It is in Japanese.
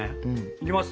いきます！